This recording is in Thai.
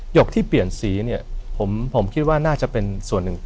กที่เปลี่ยนสีเนี่ยผมคิดว่าน่าจะเป็นส่วนหนึ่ง